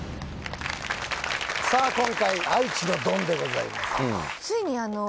さあ今回愛知のドンでございます